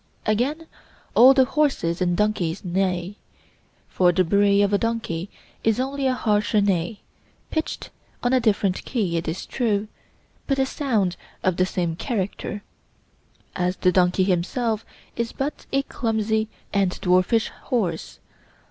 Again, all the horses and donkeys neigh; for the bray of a donkey is only a harsher neigh, pitched on a different key, it is true, but a sound of the same character as the donkey himself is but a clumsy and dwarfish horse.